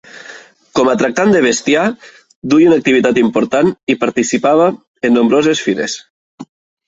Com a tractant de bestiar duia una activitat important i participava en nombroses fires.